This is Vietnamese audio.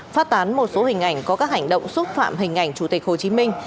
phát tán một số hình ảnh có các hành động xúc phạm hình ảnh chủ tịch hồ chí minh